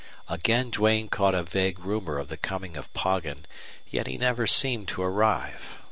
Again Duane caught a vague rumor of the coming of Poggin, yet he never seemed to arrive.